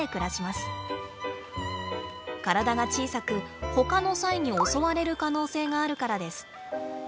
体が小さくほかのサイに襲われる可能性があるからです。